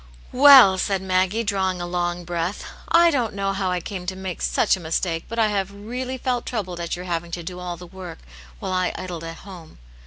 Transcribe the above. *' Well," said Maggie, drawing a long breath, " I don't know how I came to make such a mistake, but I have really felt troubled at your having to do all the work, while I idle at home.